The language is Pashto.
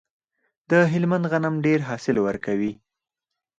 د هلمند غنم ډیر حاصل ورکوي.